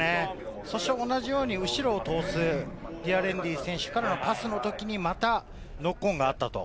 同じように後ろを通すデアリエンディ選手からパスの時に、またノックオンがあった。